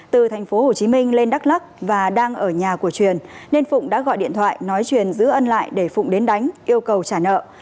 từ tp hcm lên đắk lắc và đang ở nhà của truyền nên phụng đã gọi điện thoại nói truyền giữ ân lại để phụng đến đánh yêu cầu trả nợ